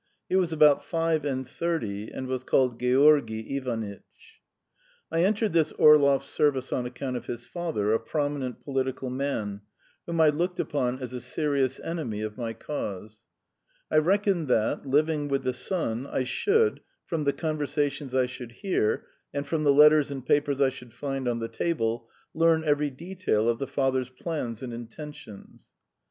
He was about five and thirty, and was called Georgy Ivanitch. I entered this Orlov's service on account of his father, a prominent political man, whom I looked upon as a serious enemy of my cause. I reckoned that, living with the son, I should from the conversations I should hear, and from the letters and papers I should find on the table learn every detail of the father's plans and intentions.